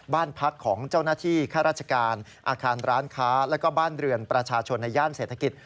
บ้านพักของเจ้าหน้าที่ข้าราชการอาคารร้านค้าแล้วก็บ้านเรือนประชาชนในย่านเศรษฐกิจ